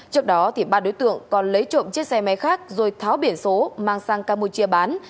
trước đó ba đối tượng còn lấy trộm chiếc xe máy khác rồi tháo biển số mang sang campuchia bán